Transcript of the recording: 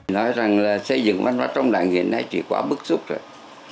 nói rằng là xây dựng văn hóa trong đảng hiện nay chỉ quá bức xúc rồi